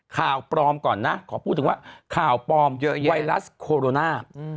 ข่าวปลอมก่อนนะขอพูดถึงว่าข่าวปลอมไวรัสโคโรนา